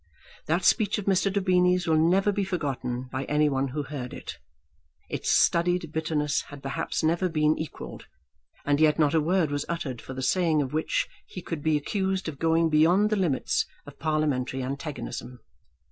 That speech of Mr. Daubeny's will never be forgotten by any one who heard it. Its studied bitterness had perhaps never been equalled, and yet not a word was uttered for the saying of which he could be accused of going beyond the limits of parliamentary antagonism.